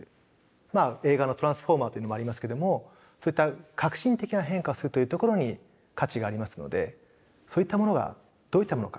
まあ映画の「トランスフォーマー」というのもありますけどもそういった革新的な変化をするというところに価値がありますのでそういったものがどういったものか。